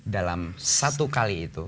dalam satu kali itu